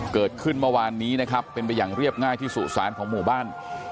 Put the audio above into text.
เกิดขึ้นเมื่อวานนี้นะครับเป็นไปอย่างเรียบง่ายที่สุสานของหมู่บ้าน